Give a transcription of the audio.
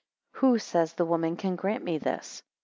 3 Who, says the woman, can grant me this?